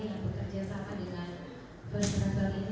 yang bekerja sama dengan first travel ini